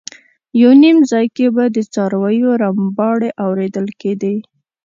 یو نیم ځای کې به د څارویو رمباړې اورېدل کېدې.